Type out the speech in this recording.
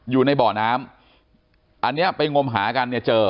อยู่ในบ่อน้ำอันนี้ไปงมหากันเนี่ยเจอ